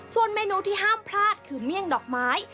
ส่วนเมนูที่ห้ามพลาดคือเมี่ยงดอกไม้